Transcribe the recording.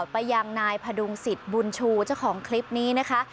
ไปยังนายพดุงสิทธิ์บุญชูเจ้าของคลิปนี้นะคะ